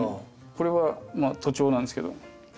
これは徒長なんですけど。